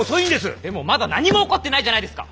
でもまだ何も起こってないじゃないですか！